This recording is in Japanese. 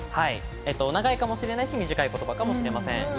長いかもしれないし短い言葉かもしれません。